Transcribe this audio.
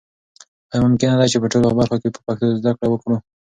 آیا ممکنه ده چې په ټولو برخو کې په پښتو زده کړه وکړو؟